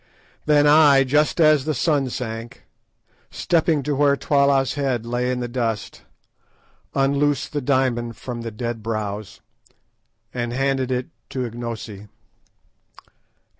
Then I, just as the sun sank, stepping to where Twala's head lay in the dust, unloosed the diamond from the dead brows, and handed it to Ignosi.